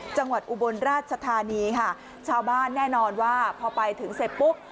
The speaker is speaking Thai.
อุบลราชธานีค่ะชาวบ้านแน่นอนว่าพอไปถึงเสร็จปุ๊บ